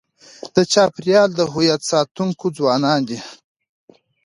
د چاپېریال د هویت ساتونکي ځوانان دي.